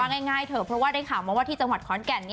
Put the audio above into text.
ง่ายเถอะเพราะว่าได้ข่าวมาว่าที่จังหวัดขอนแก่น